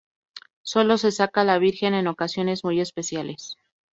Sólo se saca la Virgen en ocasiones muy especiales.